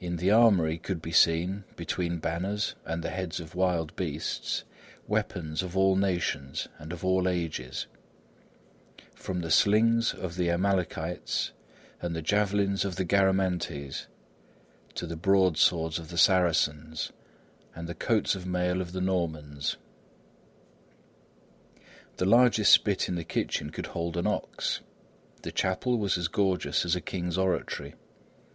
In the armoury could be seen, between banners and the heads of wild beasts, weapons of all nations and of all ages, from the slings of the Amalekites and the javelins of the Garamantes, to the broad swords of the Saracens and the coats of mail of the Normans. The largest spit in the kitchen could hold an ox; the chapel was as gorgeous as a king's oratory.